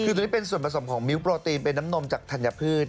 คือตัวนี้เป็นส่วนผสมของมิ้วโปรตีนเป็นน้ำนมจากธัญพืช